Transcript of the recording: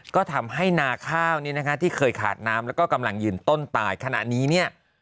ก็ทำให้นาข้าวนี้นะคะที่เคยขาดน้ำแล้วก็กำลังยืนต้นตายขณะนี้เนี่ย